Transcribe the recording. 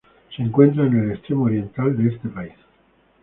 Se encuentra en el extremo oriental de este país.